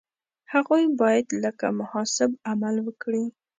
هغوی باید لکه محاسب عمل وکړي.